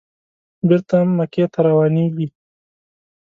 بېرته مکې ته روانېږي.